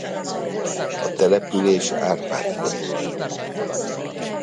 A település Árpád-kori.